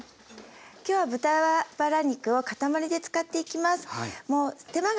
今日は豚バラ肉を塊で使っていきます。